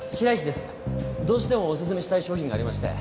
どうしてもおすすめしたい商品がありまして。